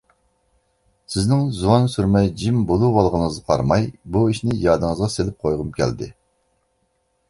سىزنىڭ زۇۋان سۈرمەي جىم بولۇۋالغىنىڭىزغا قارىماي بۇ ئىشىنى يادىڭىزغا سېلىپ قويغۇم كەلدى.